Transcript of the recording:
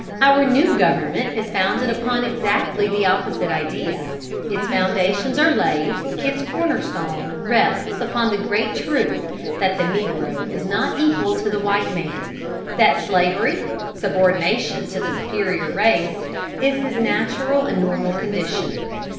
Our new government is founded upon exactly the opposite idea; its foundations are laid, its corner stone rests upon the great truth, that the negro is not equal to the white man; that slavery subordination to the superior race is his natural and normal condition.